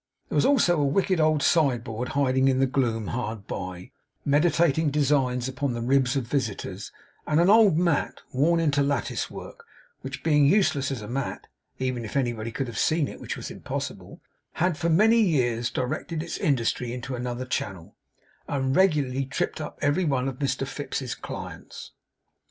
There was also a wicked old sideboard hiding in the gloom hard by, meditating designs upon the ribs of visitors; and an old mat, worn into lattice work, which, being useless as a mat (even if anybody could have seen it, which was impossible), had for many years directed its industry into another channel, and regularly tripped up every one of Mr Fips's clients.